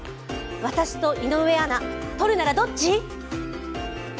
私と井上アナ、とるならどっち？